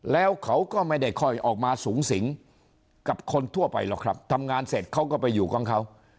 แล้วเขาก็ไม่ได้ค่อยออกมาสูงสิงกับคนทั่วไปหรอกครับทำงานเสร็จเขาก็ไปอยู่กับเขา